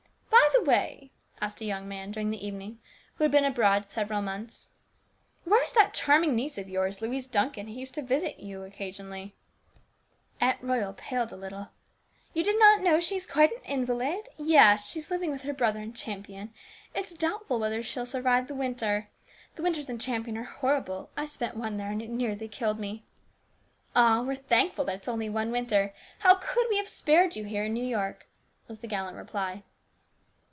" By the way," asked a young man during the evening, who had been abroad several months, " where is that charming niece of yours, Louise Duncan, who used to visit you occasionally ?" Aunt Royal paled a little. " You did not know she is quite an invalid ? Yes ; she is living with her brother in Champion. It is doubtful whether she will survive the winter. The winters in Champion are horrible. I spent one there and it nearly killed me." " Ah, we are thankful it was only one winter ! How could we have spared you here in New York ?" was the gallant reply.